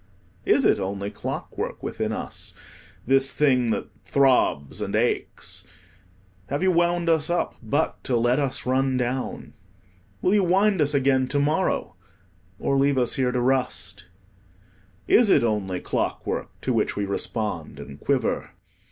Is it only clockwork within us, this thing that throbs and aches? Have you wound us up but to let us run down? Will you wind us again to morrow, or leave us here to rust? Is it only clockwork to which we respond and quiver?